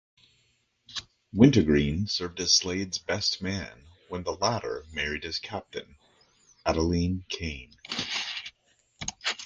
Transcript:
Wintergreen served as Slade's best man when the latter married his captain, Adeline Kane.